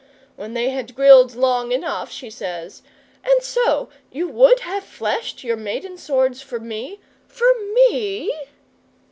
When they had grilled long enough, she says: "And so you would have fleshed your maiden swords for me for me?"